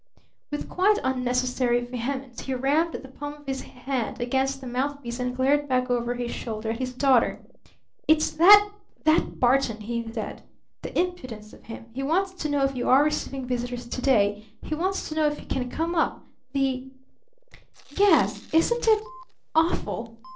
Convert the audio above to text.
With quite unnecessary vehemence he rammed the palm of his hand against the mouth piece and glared back over his shoulder at his daughter. "It's that that Barton!" he said. "The impudence of him! He wants to know if you are receiving visitors to day! He wants to know if he can come up! The " "Yes isn't it awful?"